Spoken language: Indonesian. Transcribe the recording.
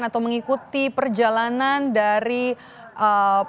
atau mengikuti perjalanan dari pak jokowi